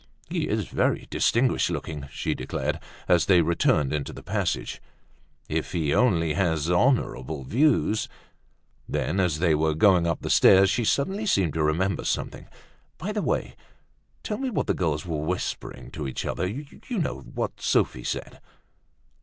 "He is very distinguished looking," she declared as they returned into the passage. "If he only has honorable views—" Then, as they were going up the stairs she suddenly seemed to remember something. "By the way, tell me what the girls were whispering to each other—you know, what Sophie said?"